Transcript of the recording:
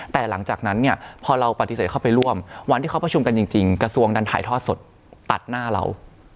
แต่หลังจากนั้นเนี่ยพอเราปฏิเสธเข้าไปร่วมวันที่เขาประชุมกันจริงกระทรวงดันถ่ายทอดสดตัดหน้าเรา